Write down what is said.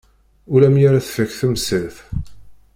Ula mi ara tfak temsirt.